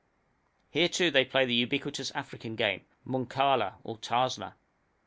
Here, too, they play the ubiquitous African game, munkala or tarsla.